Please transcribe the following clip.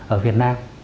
ở việt nam